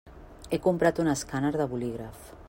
He comprat un escàner de bolígraf.